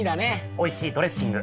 おいしいドレッシング。